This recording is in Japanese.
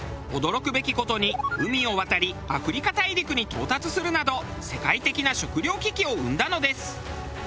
驚くべき事に海を渡りアフリカ大陸に到達するなど世界的な食糧危機を生んだのです。